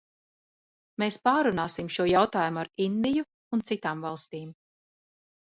Mēs pārrunāsim šo jautājumu ar Indiju un citām valstīm.